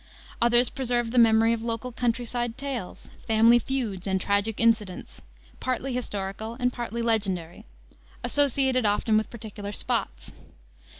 Others preserved the memory of local countryside tales, family feuds, and tragic incidents, partly historical and partly legendary, associated often with particular spots.